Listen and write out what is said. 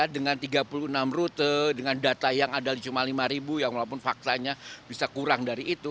dengan tiga puluh enam rute dengan data yang ada cuma lima ribu yang walaupun faktanya bisa kurang dari itu